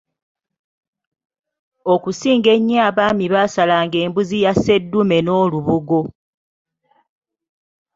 Okusinga enyo abaami baasalanga embuzi ya sseddume n’olubugo.